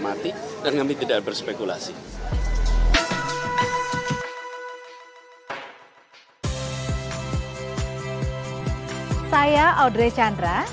kalau dari mas anies sendiri melihat seperti apa prediksinya